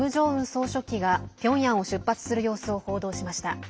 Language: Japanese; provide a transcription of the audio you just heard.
総書記がピョンヤンを出発する様子を報道しました。